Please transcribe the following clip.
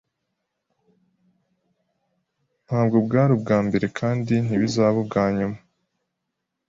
Ntabwo bwari ubwambere kandi ntibizaba ubwa nyuma.